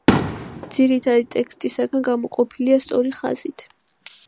ძირითადი ტექსტისგან გამოყოფილია სწორი ხაზით.